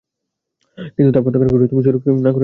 কিন্তু তা প্রত্যাখ্যান করে তুমি শরীক না করে ছাড়োনি।